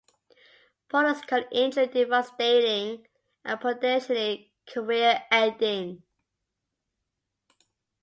Paulos called the injury "devastating and potentially career-ending".